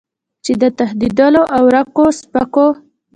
چې د تښتېدلو او ورکو سپکو